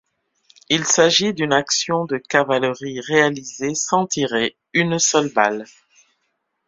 Il s'agit d'une action de cavalerie réalisée sans tirer une seule balle.